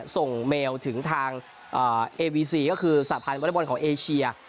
ส่งเมลถึงทางเอวีซีก็คือสหพันธ์วอเล็กบอลของเอเชีย